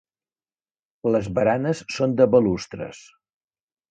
Les baranes són de balustres.